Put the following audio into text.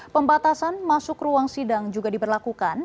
pembatasan masuk ruang sidang juga diberlakukan